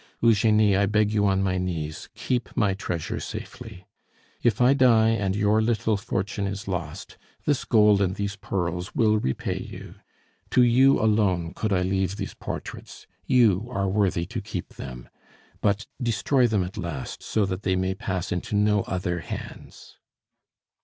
Eugenie, I beg you on my knees, keep my treasure safely. If I die and your little fortune is lost, this gold and these pearls will repay you. To you alone could I leave these portraits; you are worthy to keep them. But destroy them at last, so that they may pass into no other hands."